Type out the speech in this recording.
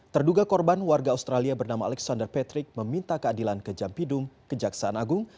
terduga korban warga australia bernama alexander patrick meminta keadilan ke jampidum kejaksaan agung